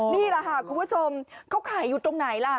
นี่แหละค่ะคุณผู้ชมเขาขายอยู่ตรงไหนล่ะ